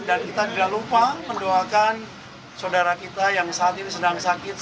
dan kami juga mendoakan saudara kita yang saat ini sedang sakit